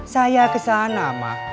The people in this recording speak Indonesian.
saya kesana mak